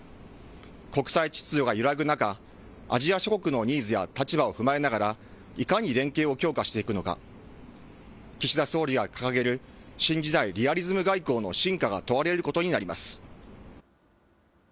国際秩序が揺らぐ中、アジア諸国のニーズや立場を踏まえながら、いかに連携を強化していくのか、岸田総理が掲げる、新時代リアリズム外交の真価が問われることになります。